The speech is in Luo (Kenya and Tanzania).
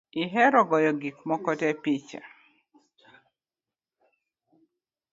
Ihero goyo gik moko te picha